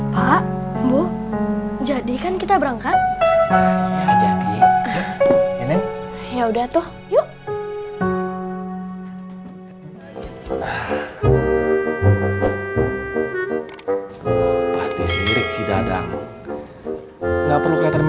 pak bu jadikan kita berangkat